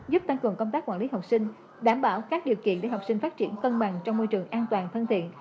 giúp tăng cường công tác quản lý học sinh đảm bảo các điều kiện để học sinh phát triển cân bằng trong môi trường an toàn thân thiện